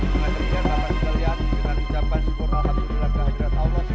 dengan kerjaan teman teman kalian dengan ucapan syukur rahmatullahi wabarakatuh